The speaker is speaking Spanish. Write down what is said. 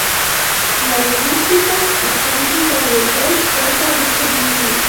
La eclíptica, el tránsito del sol, corta dicho vínculo.